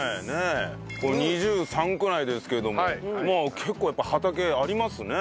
これ２３区内ですけども結構やっぱ畑ありますね。